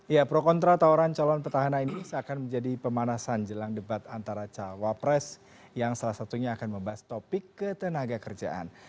ya pro kontra tawaran calon petahana ini seakan menjadi pemanasan jelang debat antara cawapres yang salah satunya akan membahas topik ketenaga kerjaan